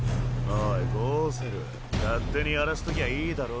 おいゴウセル勝手にやらせときゃいいだろ。